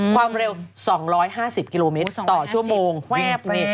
ความเร็ว๒๕๐กิโลเมตรต่อชั่วโมง